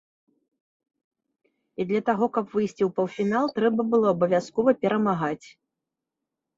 І для таго, каб выйсці ў паўфінал трэба было абавязкова перамагаць.